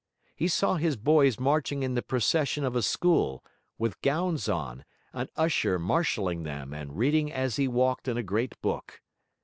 He saw his boys marching in the procession of a school, with gowns on, an usher marshalling them and reading as he walked in a great book.